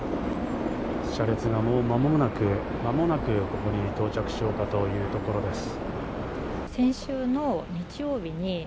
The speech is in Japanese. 車列がもう間もなくここに到着しようかというところです。